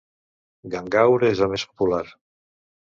Gangaur és el més popular.